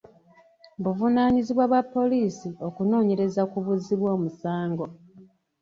Buvunaanyizibwa bwa poliisi okunoonyereza ku buzzi bw'omusango.